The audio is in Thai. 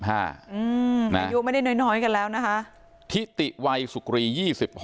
อายุไม่ได้น้อยกันแล้วนะคะทิติวัยสุกรี๒๖